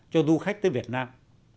cho du khách tới việt nam